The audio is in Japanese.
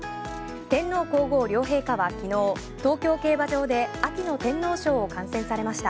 天皇皇后両陛下は昨日東京競馬場で秋の天皇賞を観戦されました。